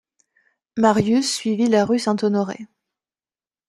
Marius suivit la rue Saint-Honoré.